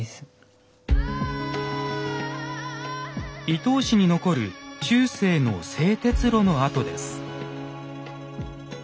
伊東市に残る中世の製鉄炉の跡です。